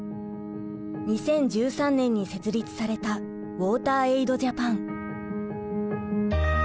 ２０１３年に設立されたウォーターエイドジャパン。